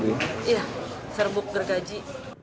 ya serbuk bergaji